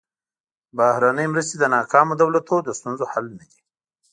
بهرنۍ مرستې د ناکامو دولتونو د ستونزو حل نه دي.